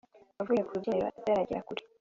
Avuye ku rubyiniro ataragera kure